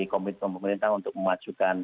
komitmen pemerintah untuk memajukan